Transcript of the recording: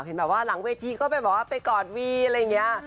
เห็นแบบว่าหลังเวทีก็ไปบอกว่าไปกอดวีอะไรอย่างนี้